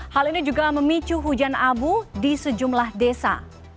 hal ini juga memicu hujan abu di sejumlah desa